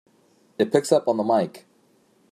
It picks up on the mike!